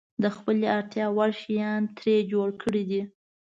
د خپلې اړتیا وړ شیان یې ترې جوړ کړي دي.